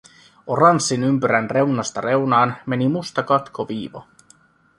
Oranssin ympyrän reunasta reunaan meni musta katkoviiva.